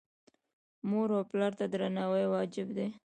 مور او پلار ته درناوی واجب دی